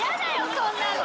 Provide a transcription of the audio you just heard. そんなの！